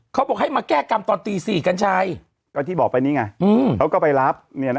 เขาบอกให้มาแก้กรรมตอนตี๔กัญชัยก็ที่บอกไปนี่ไงเขาก็ไปรับ